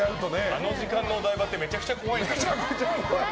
あの時間のお台場ってめちゃくちゃ怖いですよ。